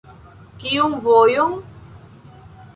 Kiun vojon?